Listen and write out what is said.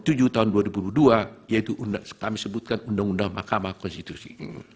yaitu undang undang makam konstitusi